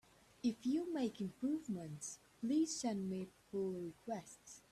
If you make improvements, please send me pull requests!